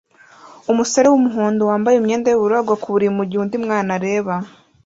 Umusore wumuhondo wambaye imyenda yubururu agwa ku buriri mugihe undi mwana areba